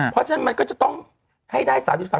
เพราะฉะนั้นมันก็จะต้องให้ได้๓๓